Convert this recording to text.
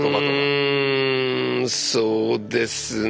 うんそうですね